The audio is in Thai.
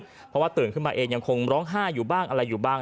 เพราะว่าตื่นขึ้นมาเองยังคงร้องไห้อยู่บ้างอะไรอยู่บ้าง